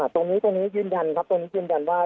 ตรงนี้ตรงนี้ยืนยันครับตรงนี้ยืนยันว่า